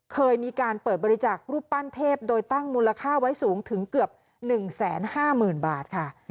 เคยมีการเปิดบริจาครูปปั้นเทพโดยตั้งมูลค่าไว้สูงถึงเกือบ๑๕๐๐๐บาทค่ะ